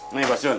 nih bos jun